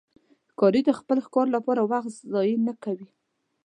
ښکاري د خپل ښکار لپاره وخت ضایع نه کوي.